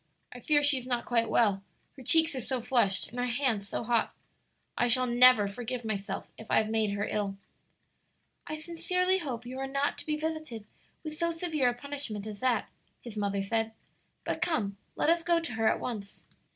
I fear she is not quite well her cheeks are so flushed and her hands so hot. I shall never forgive myself if I have made her ill." "I sincerely hope you are not to be visited with so severe a punishment as that," his mother said. "But come, let us go to her at once."